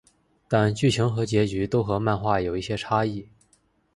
但剧情和结局都和漫画有一些差异。